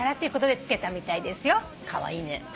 カワイイね。